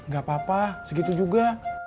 gak apa apa segitu juga